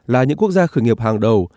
là những quốc gia khởi nghiệp hàng đầu